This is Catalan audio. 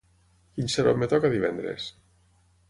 Quin xarop em toca divendres?